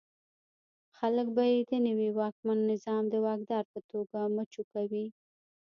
خلک به یې د نوي واکمن نظام د واکدار په توګه مچو کوي.